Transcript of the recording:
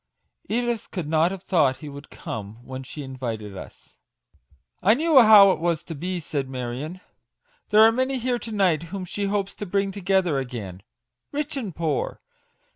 " Edith could not have thought he would come when she invited us." " I knew how it was to be/' said Marion ; "there are many here to night whom she hopes to bring together again ; rich and poor.